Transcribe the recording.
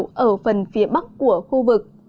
mưa sẽ tập trung nhiều ở phần phía bắc của khu vực